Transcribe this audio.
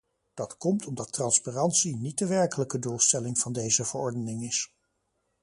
Dat komt omdat transparantie niet de werkelijke doelstelling van deze verordening is.